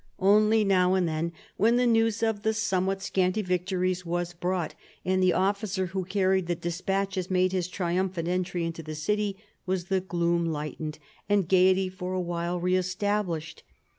Only now and then, when the news of the somewhat scanty victories was brought, and the officer who carried the despatches made his triumphant entry into the city, was the gloom lightened, and gaiety for a while re established.